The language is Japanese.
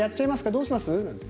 どうします？って。